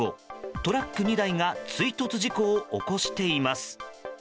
トラック２台が追突事故を起こしています。